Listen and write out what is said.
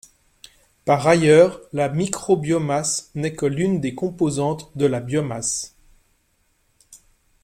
Par ailleurs, la micro-biomasse n'est que l'une des composantes de la biomasse.